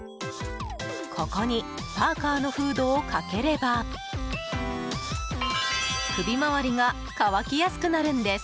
ここにパーカーのフードをかければ首回りが乾きやすくなるんです。